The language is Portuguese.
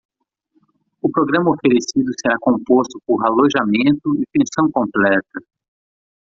O programa oferecido será composto por alojamento e pensão completa.